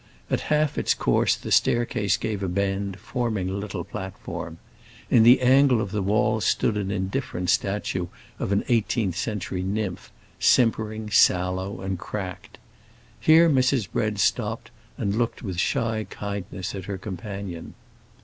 At half its course the staircase gave a bend, forming a little platform. In the angle of the wall stood an indifferent statue of an eighteenth century nymph, simpering, sallow, and cracked. Here Mrs. Bread stopped and looked with shy kindness at her companion.